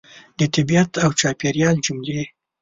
د طبیعت او چاپېریال جملې